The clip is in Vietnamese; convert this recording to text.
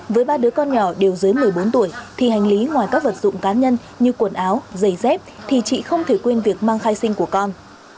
với ba đứa con nhỏ đều dưới một mươi bốn tuổi thì hành lý ngoài các vật dụng cá nhân như quần áo giày dép thì chị không thể quên việc mang khai sinh của con